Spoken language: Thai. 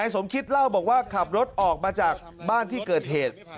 สมคิตเล่าบอกว่าขับรถออกมาจากบ้านที่เกิดเหตุ